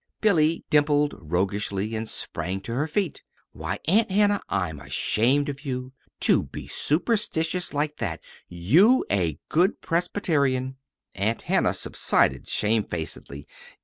Billy dimpled roguishly and sprang to her feet. "Why, Aunt Hannah, I'm ashamed of you! To be superstitious like that you, a good Presbyterian!" Aunt Hannah subsided shamefacedly.